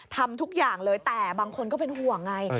ทำทุกอย่างเลยแต่บางคนก็เป็นห่วงไง